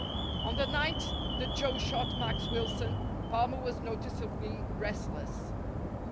On the night that Joe shot Max Wilson, Palmer was noticeably restless.